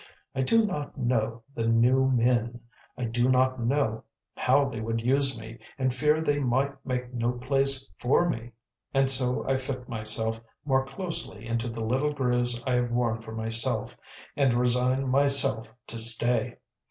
I do not know the "new men," I do not know how they would use me, and fear they might make no place for me; and so I fit myself more closely into the little grooves I have worn for myself, and resign myself to stay.